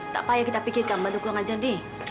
tak payah kita pikirkan bantu kurang ajar d